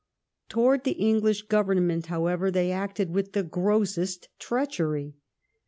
Towards the English Govern ment, however, they acted with the grossest treachery.